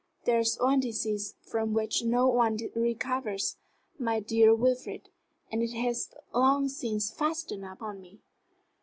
There is one disease from which no one recovers, my dear Wilfrid, and it has long since fastened upon me."